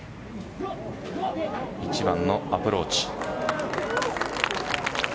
１番のアプローチ。